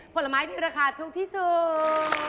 ผลไม้ที่ราคาถูกที่สุด